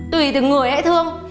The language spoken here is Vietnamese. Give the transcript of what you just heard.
tùy từ người ấy thương